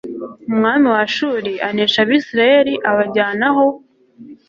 Umwami wa Ashuri anesha Abisirayeli abajyana ho